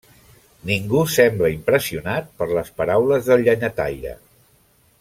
Ningú sembla impressionat per les paraules del llenyataire.